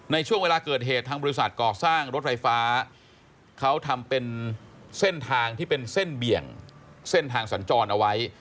ช่วงเวลาเกิดเหตุทางบริษัทก่อสร้างรถไฟฟ้าเขาทำเป็นเส้นทางที่เป็นเส้นเบี่ยงเส้นทางสัญจรเอาไว้